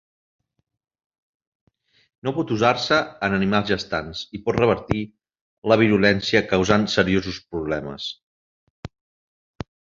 No pot usar-se en animals gestants i pot revertir a la virulència causant seriosos problemes.